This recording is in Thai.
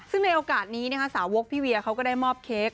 ซึ่งในโอกาสนี้นะคะสาวกพี่เวียเขาก็ได้มอบเค้ก